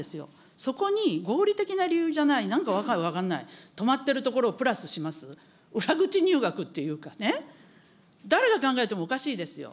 そこに合理的な理由じゃない、なんか訳分かんない、止まってるところをプラスします、裏口入学っていうかね、誰が考えてもおかしいですよ。